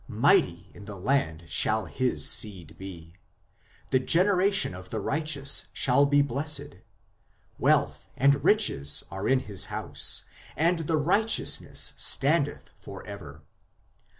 Mighty in the land shall his seed be ; the generation of the righteous shall be blessed. Wealth and riches are in his house, and his righteousness standeth for ever.